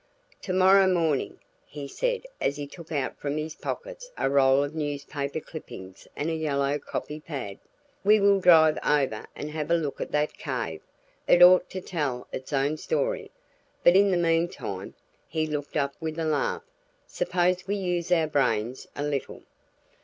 "Tomorrow morning," he said as he took out from his pockets a roll of newspaper clippings and a yellow copy pad, "we will drive over and have a look at that cave; it ought to tell its own story. But in the meantime " he looked up with a laugh "suppose we use our brains a little."